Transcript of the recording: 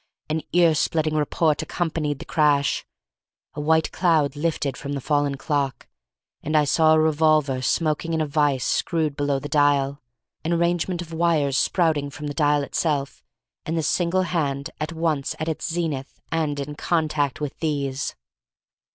An ear splitting report accompanied the crash, a white cloud lifted from the fallen clock, and I saw a revolver smoking in a vice screwed below the dial, an arrangement of wires sprouting from the dial itself, and the single hand at once at its zenith and in contact with these.